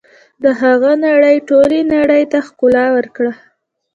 د هغه نړۍ ټولې نړۍ ته ښکلا ورکړه.